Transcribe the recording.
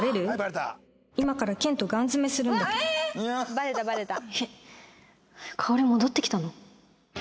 バレたバレた。